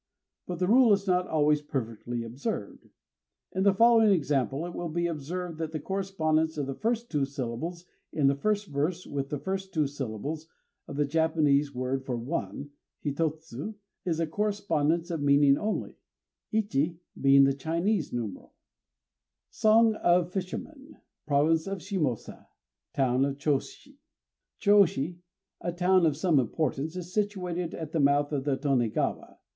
But the rule is not always perfectly observed. In the following example it will be observed that the correspondence of the first two syllables in the first verse with the first two syllables of the Japanese word for one (hitotsu) is a correspondence of meaning only; ichi being the Chinese numeral: SONG OF FISHERMEN (Province of Shimosa, town of Chôshi) Chôshi, a town of some importance, is situated at the mouth of the Tonégawa.